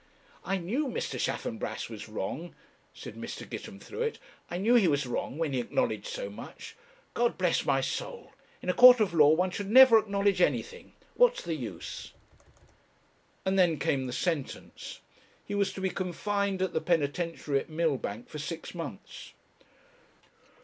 'I knew Mr. Chaffanbrass was wrong,' said Mr. Gitemthruet. 'I knew he was wrong when he acknowledged so much. God bless my soul! in a court of law one should never acknowledge anything! what's the use?' And then came the sentence. He was to be confined at the Penitentiary at Millbank for six months.